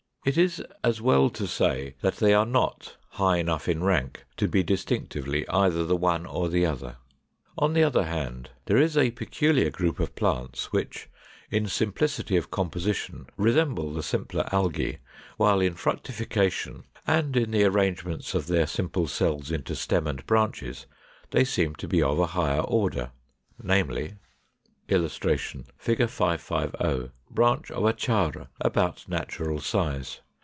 It is as well to say that they are not high enough in rank to be distinctively either the one or the other. On the other hand there is a peculiar group of plants, which in simplicity of composition resemble the simpler Algæ, while in fructification and in the arrangements of their simple cells into stem and branches they seem to be of a higher order, viz.: [Illustration: Fig. 550. Branch of a Chara, about natural size.